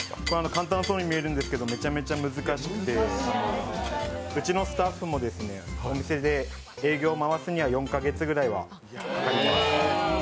簡単そうに見えるんですけど、めちゃくちゃ難しくて、うちのスタッフもお店で営業回すには４か月ぐらいはかかります。